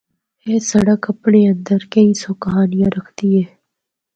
اے سڑک اپنڑے اندر کئی سو کہانڑیاں رکھدی ہے۔